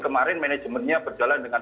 kemarin manajemennya berjalan dengan